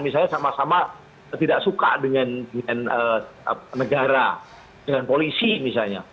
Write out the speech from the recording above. misalnya sama sama tidak suka dengan negara dengan polisi misalnya